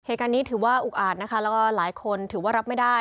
เหตุการณ์นี้ถือว่าอุกอาจนะคะแล้วก็หลายคนถือว่ารับไม่ได้